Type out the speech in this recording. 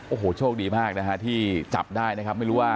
โอ้โหโชคดีมากนะฮะที่จับได้นะครับไม่รู้ว่า